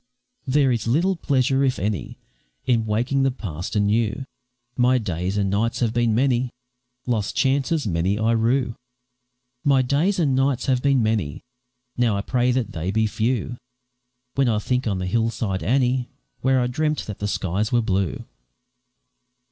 There is little pleasure, if any, In waking the past anew; My days and nights have been many; Lost chances many I rue My days and nights have been many; Now I pray that they be few, When I think on the hill side, Annie, Where I dreamt that the skies were blue.